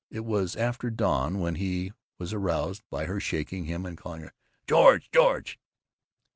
It was after dawn when he was aroused by her shaking him and calling "George! George!"